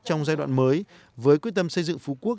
trong giai đoạn mới với quyết tâm xây dựng phú quốc